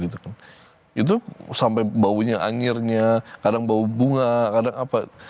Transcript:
itu sampai baunya anjirnya kadang bau bunga kadang apa